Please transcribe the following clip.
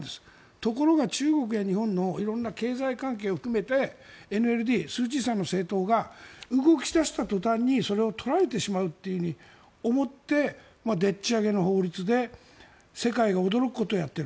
ところが中国や日本の色んな経済関係を含めてＮＬＤスーチーさんの政党が動き出した途端にそれを取られてしまうと思ってでっち上げの法律で世界が驚くことをやっている。